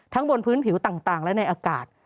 บนพื้นผิวต่างและในอากาศ